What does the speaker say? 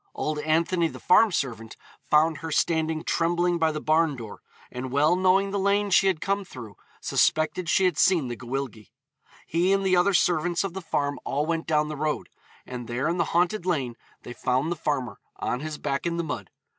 Old Anthony the farm servant, found her standing trembling by the barn door, and well knowing the lane she had come through suspected she had seen the Gwyllgi. He and the other servants of the farm all went down the road, and there in the haunted lane they found the farmer, on his back in the mud.